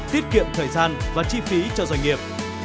tiết kiệm thời gian và chi phí cho doanh nghiệp